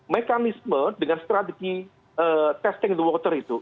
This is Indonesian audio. mekanisme dengan strategi testing the water itu